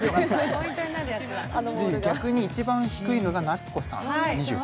逆に一番低いのが夏子さん。